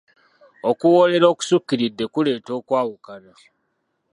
Okuwoolera okusukiridde kuleeta okwawukana.